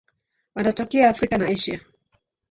Wanatokea Afrika na Asia.